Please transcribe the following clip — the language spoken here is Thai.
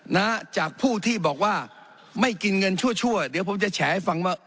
นะจากผู้ที่บอกว่าไม่กินเงินชั่วชั่วเดี๋ยวผมจะแฉให้ฟังว่า